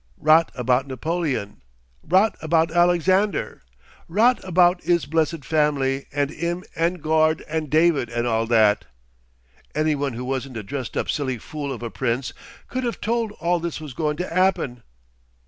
Rot about Napoleon, rot about Alexander, rot about 'is blessed family and 'im and Gord and David and all that. Any one who wasn't a dressed up silly fool of a Prince could 'ave told all this was goin' to 'appen.